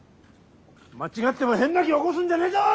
間違っても変な気起こすんじゃねえぞ！